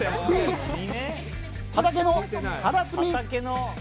Ｂ、畑のカラスミ。